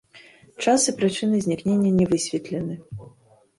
Час і прычыны знікнення не высветлены.